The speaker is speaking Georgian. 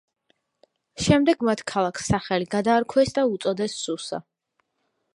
შემდეგ მათ ქალაქს სახელი გადაარქვეს და უწოდეს სუსა.